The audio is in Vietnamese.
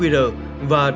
và đánh trao mã qr